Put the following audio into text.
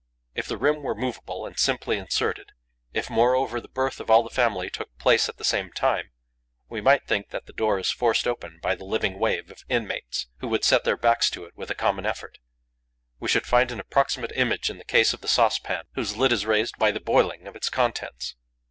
If the rim were movable and simply inserted, if, moreover, the birth of all the family took place at the same time, we might think that the door is forced open by the living wave of inmates, who would set their backs to it with a common effort. We should find an approximate image in the case of the saucepan, whose lid is raised by the boiling of its contents.